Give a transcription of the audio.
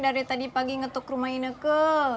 dari tadi pagi ngetuk rumah ineke